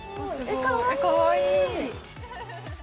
かわいいー。